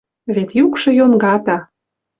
Вет юкшы йонгата